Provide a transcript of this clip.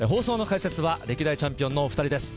解説は歴代チャンピオンのお２人です。